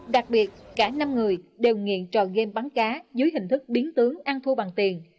đặc biệt cả năm người đều nghiện trò game bắn cá dưới hình thức biến tướng ăn thua bằng tiền